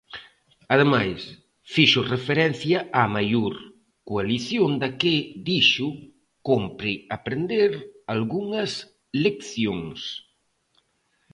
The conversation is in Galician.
Ademais, fixo referencia a Amaiur, coalición da que, dixo, "cómpre aprender algunhas leccións".